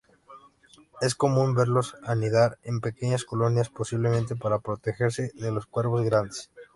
Es común verlos anidar en pequeñas colonias, posiblemente para protegerse de los cuervos grandes.